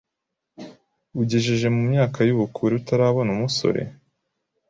ugejeje mu myaka y’ubukure utarabona umusore